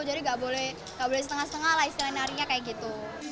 jadi gak boleh setengah setengah lah istilahnya tarinya kayak gitu